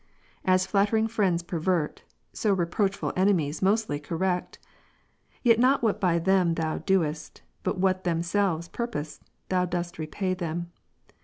As flattering friends pervert, so reproachful enemies mostly correct. Yet not what by them Thou doest, but what themselves purposed, dost Thou repay them.